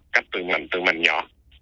cắt từ mặt từ mặt nhỏ